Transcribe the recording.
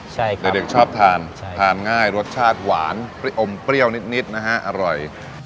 ใช่ครับเด็กชอบทานทานง่ายรสชาติหวานอมเปรี้ยวนิดนะฮะอร่อย